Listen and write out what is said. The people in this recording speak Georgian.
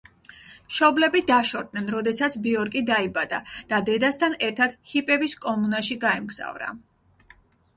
მშობლები დაშორდნენ, როდესაც ბიორკი დაიბადა და დედასთან ერთად ჰიპების კომუნაში გაემგზავრა.